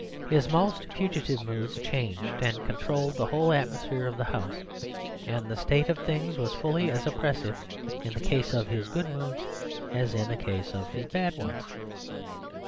His most fugitive moods changed and controlled the whole atmosphere of the house, and the state of things was fully as oppressive in the case of his good moods as in the case of his bad ones.